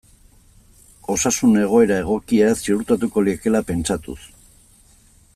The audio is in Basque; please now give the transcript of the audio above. Osasun egoera egokia ziurtatuko liekeela pentsatuz.